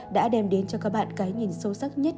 đã đem đến cho các bạn cái nhìn sâu sắc nhất